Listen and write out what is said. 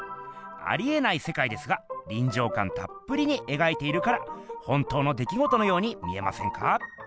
ありえないせかいですがりんじょうかんたっぷりにえがいているから本当の出来ごとのように見えませんか？